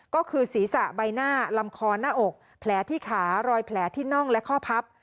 ก็คือศีรษะใบหน้าลำคอหน้าอกแผลที่ขารอยแผลที่น่องและข้อพับ